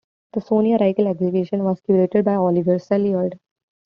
The Sonia Rykiel Exhibition was curated by Olivier Saillard.